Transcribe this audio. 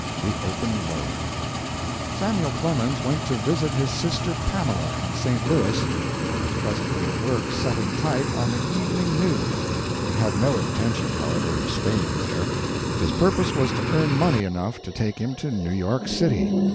THE OPEN ROAD Samuel Clemens went to visit his sister Pamela in St. Louis and was presently at work, setting type on the "Evening News." He had no intention, however, of staying there. His purpose was to earn money enough to take him to New York City.